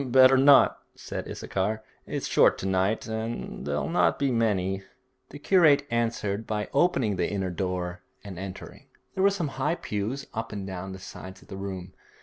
'Better not,' said Issachar; 'it's short to night, and there'll not be many.' The curate answered by opening the inner door and entering. There were some high pews up and down the sides of the room.